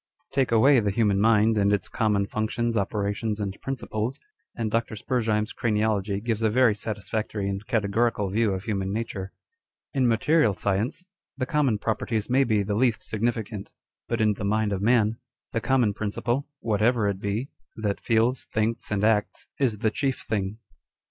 l Take away the human mind and its common functions, operations, and principles, and Dr. Spurzheim's craniology gives a very satisfactory and categorical view of human nature. In material science, the common properties may be the least significant; but in the mind of man, the common principle (whatever it be) that feels, thinks, and acts, is the chief thing.